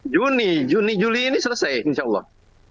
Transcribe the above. juni juni juli ini selesai insya allah